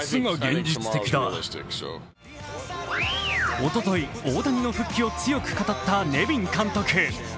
おととい、大谷の復帰を強く語ったネビン監督。